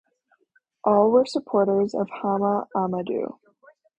All were supporters of Hama Amadou.